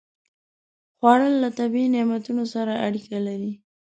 خوړل له طبیعي نعمتونو سره اړیکه لري